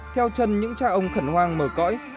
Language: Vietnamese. theo chân những cha ông khẩn hoàng mở cõi